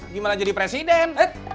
gimana jadi presiden